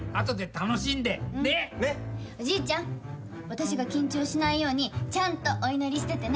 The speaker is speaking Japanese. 私が緊張しないようにちゃんとお祈りしててね。